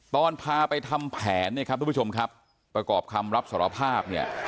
ตอนพาไปทำแผนเนี่ยครับทุกผู้ชมครับประกอบคำรับสารภาพเนี่ย